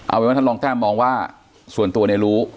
เอาเป็นว่าท่านรองแต้มมองว่าส่วนตัวเนี่ยรู้